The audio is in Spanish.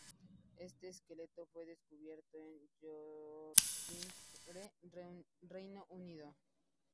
Este esqueleto fue descubierto en Yorkshire, Reino Unido.